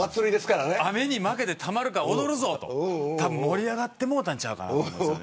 雨に負けてたまるか、踊るぞと盛り上がってもうたんちゃうかな。